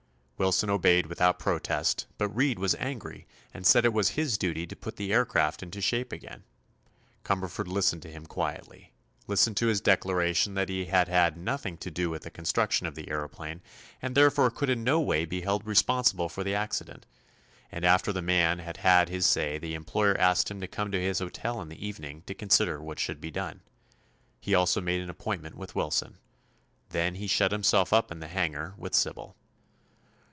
Wilson obeyed without protest, but Reed was angry and said it was his duty to put the aircraft into shape again. Cumberford listened to him quietly; listened to his declaration that he had had nothing to do with the construction of the aëroplane and therefore could in no way be held responsible for the accident; and after the man had had his say his employer asked him to come to his hotel in the evening to consider what should be done. He also made an appointment with Wilson. Then he shut himself up in the hangar with Sybil.